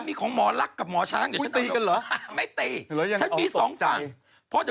จริงหนุ่มยังหนุ่มน่ะโถ